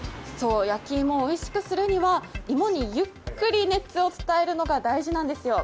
焼き芋をおいしくするには、芋にゆっくり熱を伝えるのが大事なんですよ。